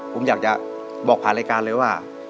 ผมอยากจะบอกผ่านรายการเลยว่า